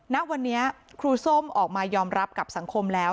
ณวันนี้ครูส้มออกมายอมรับกับสังคมแล้ว